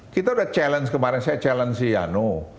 kita udah challenge kemarin saya challenge si anu